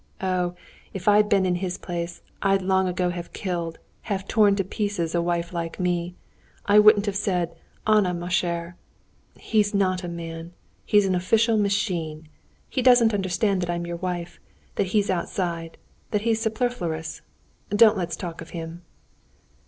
Oh, if I'd been in his place, I'd long ago have killed, have torn to pieces a wife like me. I wouldn't have said, 'Anna, ma chère'! He's not a man, he's an official machine. He doesn't understand that I'm your wife, that he's outside, that he's superfluous.... Don't let's talk of him!..."